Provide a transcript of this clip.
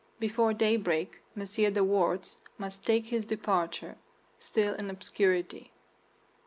Before daybreak M. de Wardes must take his departure, still in obscurity.